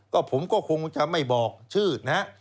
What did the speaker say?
ก็ผมก็คงจะไม่บอกชื่อนะฮะ